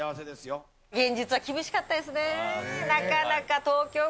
現実は厳しかったですね。